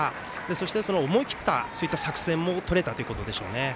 そして思い切った作戦も取れたということでしょうね。